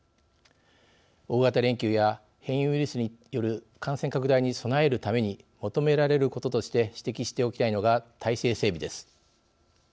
大型連休や変異ウイルスによる感染拡大に備えるために求められることとして指摘しておきたいのが体制整備です。